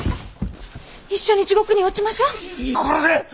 一緒に地獄に落ちましょう？